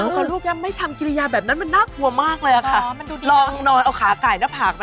พอลูกยังไม่ทำกิริยาแบบนั้นมันน่ากลัวมากเลยครับ